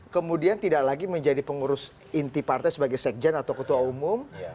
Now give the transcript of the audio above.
kemudian tidak lagi menjadi pengurus inti partai sebagai sekjen atau ketua umum